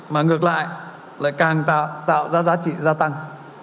mà ngược lại lại càng tạo ra giá trị gia tăng